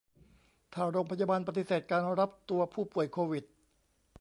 ถ้าโรงพยาบาลปฏิเสธการรับตัวผู้ป่วยโควิด